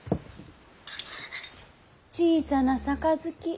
小さな盃。